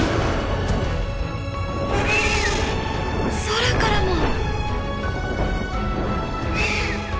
「空からも！」。